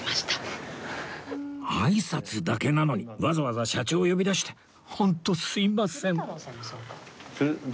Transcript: あいさつだけなのにわざわざ社長を呼び出してホントすみません